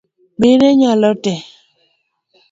Mine nyalo tee